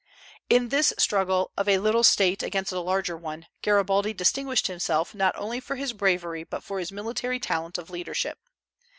In this struggle of a little State against a larger one, Garibaldi distinguished himself not only for his bravery but for his military talent of leadership.